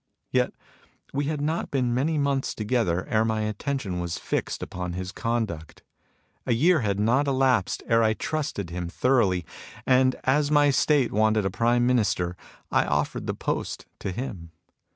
Yet we had not been many months together ere my attention was fixed upon his conduct. A year had not elapsed ere I trusted him thoroughly ; and as my State wanted a Prime Minister, I offered the post to him.